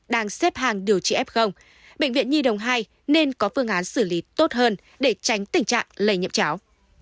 đang xếp hàng điều trị f bệnh viện nhi đồng hai nên có phương án xử lý tốt hơn để tránh tình trạng lây nhiễm cháo